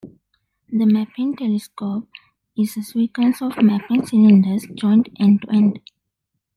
The mapping telescope is a sequence of mapping cylinders, joined end-to-end.